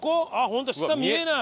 ホントだ下見えない！